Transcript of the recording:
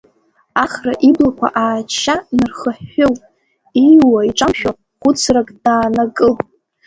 Ахра иблақәа ачча нархыҳәҳәылт, ииуа иҿамшәо, хәыцрак дааннакылт.